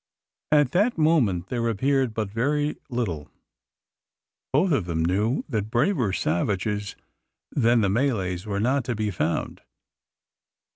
At that moment there appeared but very little. Both of them knew that braver savages than the Malays were not to be found.